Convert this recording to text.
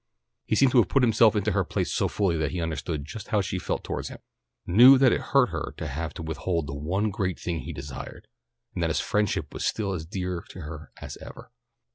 He seemed to have put himself into her place so fully that he understood just how she felt towards him; knew that it hurt her to have to withhold the one great thing he desired, and that his friendship was still as dear to her as ever.